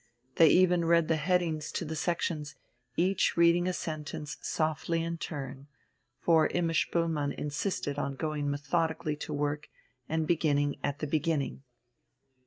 They even read the headings to the sections, each reading a sentence softly in turn; for Imma Spoelmann insisted on going methodically to work and beginning at the beginning.